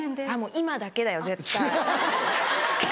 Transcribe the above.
今だけだよ絶対。